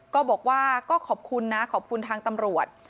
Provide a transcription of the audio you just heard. ก็บอกว่าก็ขอบคุณนะขอบคุณทางตำรวจ